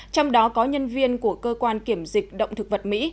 trong đó có nhân viên của cơ quan kiểm dịch động thực vật mỹ